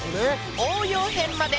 応用編まで。